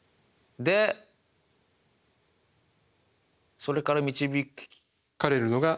それから導かれるのが。